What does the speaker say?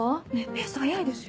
ペース速いですよ。